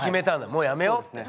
もう辞めようって。